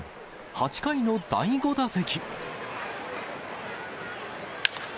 ８回の第５打席。